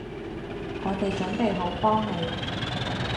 我哋準備好幫你